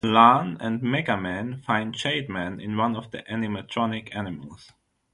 Lan and MegaMan find ShadeMan in one of the animatronic animals.